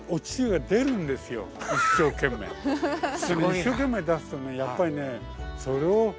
一生懸命出すとねやっぱりね。